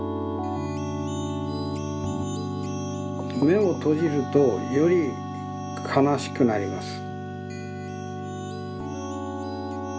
めをとじるとよりかなしくなります。